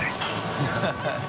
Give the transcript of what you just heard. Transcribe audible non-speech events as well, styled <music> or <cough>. ハハハ <laughs>